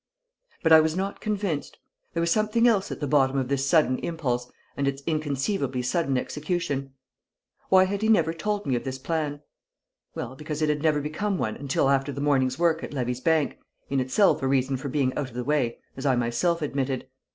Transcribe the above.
But I was not convinced. There was something else at the bottom of this sudden impulse and its inconceivably sudden execution. Why had he never told me of this plan? Well, because it had never become one until after the morning's work at Levy's bank, in itself a reason for being out of the way, as I myself admitted.